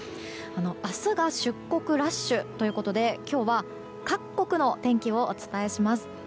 明日が出国ラッシュということで今日は各国の天気をお伝えします。